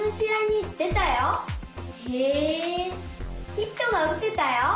ヒットがうてたよ。